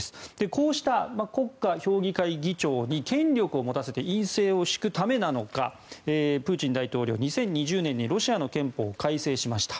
こうした国家評議会議長に権力を持たせて院政を敷くためなのかプーチン大統領、２０２０年にロシアの憲法を改正しました。